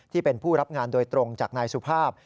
ที่เป็นผู้รับงานโดยตรงจากนายสุภาพ